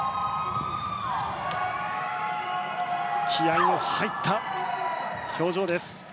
気合の入った表情です。